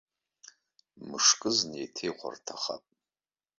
Мышкызны еиҭа ихәарҭахап.